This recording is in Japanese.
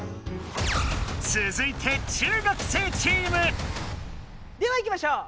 つづいて中学生チーム！ではいきましょう！